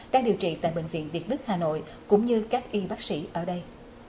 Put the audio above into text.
đang điều trị tại bệnh viện việt đức hà nội cũng như các y bác sĩ ở đây